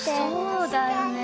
そうだよね。